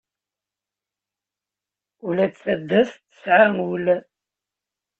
Ula d tadast tesɛa ul.